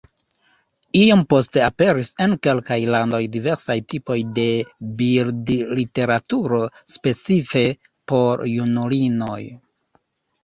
Iom poste aperis en kelkaj landoj diversaj tipoj de bildliteraturo specife por junulinoj.